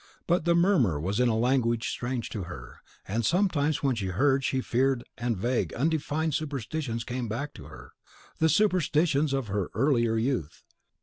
But the murmur was in a language strange to her; and sometimes when she heard she feared, and vague, undefined superstitions came back to her, the superstitions of earlier youth.